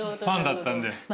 ファンだったんで。